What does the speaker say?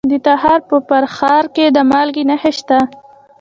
د تخار په فرخار کې د مالګې نښې شته.